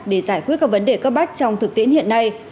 để giải quyết các vấn đề cấp bách trong thực tiễn hiện nay